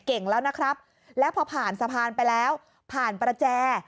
เก่งแล้วนะครับแล้วพอผ่านสะพานไปแล้วผ่านประแจ